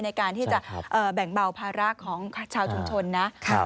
ในการที่จะแบ่งเบาภาระของชาวชุมชนนะครับ